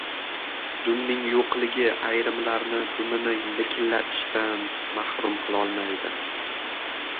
— Dumning yo‘qligi ayrimlarni dumini likillatishdan mahrum qilolmaydi.